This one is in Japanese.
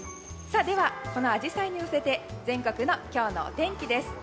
このアジサイに乗せて全国の今日のお天気です。